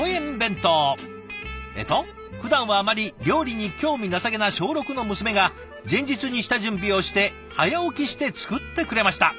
えっと「ふだんはあまり料理に興味なさげな小６の娘が前日に下準備をして早起きして作ってくれました。